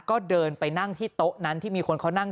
ก็เดินไปนั่งที่โต๊ะนั้นที่มีคนเขานั่ง